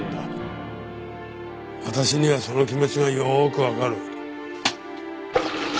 私にはその気持ちがよーくわかる。